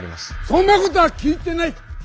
そんなことは聞いてない！